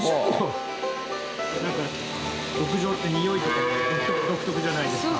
なんか牧場ってにおいとか独特じゃないですか。